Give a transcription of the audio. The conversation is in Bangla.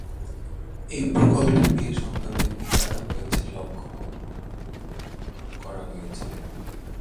এই প্রকল্পে মেয়ে সন্তানদের পিতা-হয়েছেলক্ষ্য করা হয়েছে।